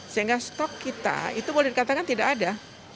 sehingga stok kita itu boleh dikatakan tidak ada